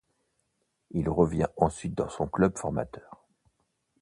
Il revient ensuite dans son club formateur.